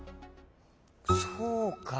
そうか。